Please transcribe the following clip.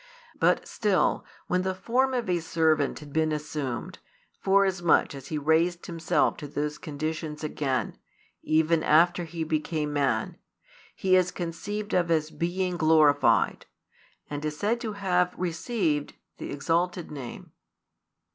But still, when the form of a servant had been assumed, forasmuch as He raised Himself to those conditions again, even after He became man, He is conceived of as being "glorified," and is said to have "received" [the exalted name].